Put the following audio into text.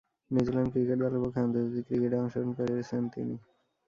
New Zealand cricket দলের পক্ষে আন্তর্জাতিক ক্রিকেটে অংশগ্রহণ করেছেন তিনি।